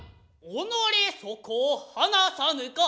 己そこを放さぬか。